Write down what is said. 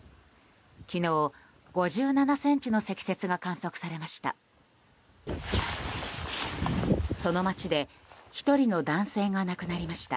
昨日、５７ｃｍの積雪が観測されました。